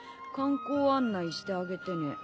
「観光案内してあげてね。